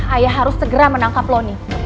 ayah harus segera menangkap lonnie